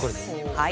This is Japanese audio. はい。